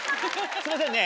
すいませんね。